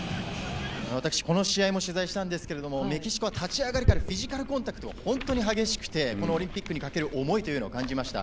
この試合も取材したんですがメキシコは立ち上がりからフィジカルコンタクトが本当に激しくてオリンピックにかける思いというのを感じました。